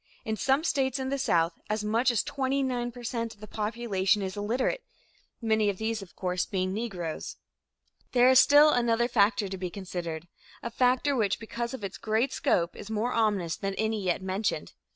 In some states in the South as much as 29 per cent of the population is illiterate, many of these, of course, being Negroes. There is still another factor to be considered a factor which because of its great scope is more ominous than any yet mentioned.